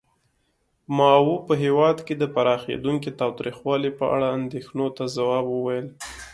ماوو په هېواد کې د پراخېدونکي تاوتریخوالي په اړه اندېښنو ته ځواب وویل.